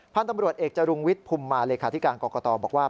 พันธุ์ตำรวจเอกจรุงวิทย์ภูมิมาเลขาธิการกรกตบอกว่า